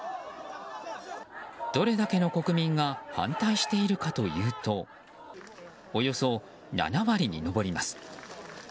どれだけの国民が反対しているかというとおよそ７割に上ります。